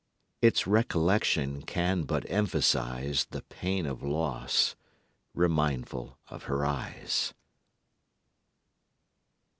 Its recollection can but emphasize The pain of loss, remindful of her eyes.